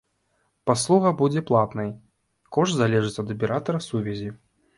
Паслуга будзе платнай, кошт залежыць ад аператара сувязі.